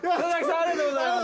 ありがとうございます。